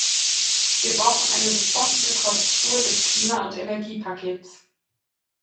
Wir brauchen eine sofortige Korrektur des Klima- und Energiepakets.